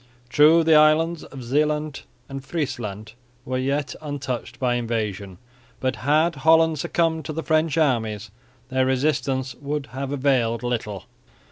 True the islands of Zeeland and Friesland were yet untouched by invasion, but had Holland succumbed to the French armies their resistance would have availed little.